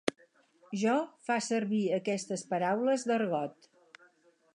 Jo fa servir aquestes paraules d'argot!